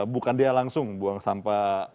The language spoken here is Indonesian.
bukan dia langsung buang sampah